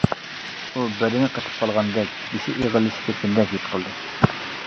ئۇ بەدىنى قېتىپ قالغاندەك، بېشى ئېغىرلىشىپ كەتكەندەك ھېس قىلدى.